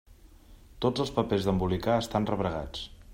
Tots els papers d'embolicar estan rebregats.